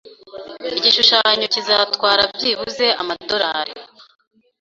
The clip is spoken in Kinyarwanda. Igishushanyo kizatwara byibuze amadorari